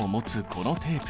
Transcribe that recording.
このテープ。